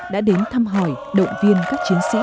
đã đến thăm hỏi động viên các chiến sĩ